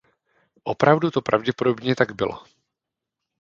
Opravdu to pravděpodobně tak bylo.